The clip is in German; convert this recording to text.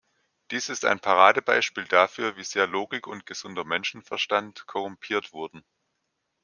Dies ist ein Paradebeispiel dafür, wie sehr Logik und gesunder Menschenverstand korrumpiert wurden.